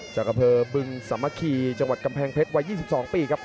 จากอำเภอบึงสามัคคีจังหวัดกำแพงเพชรวัย๒๒ปีครับ